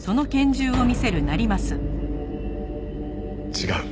違う。